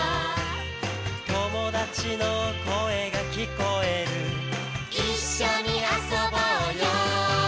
「友達の声が聞こえる」「一緒に遊ぼうよ」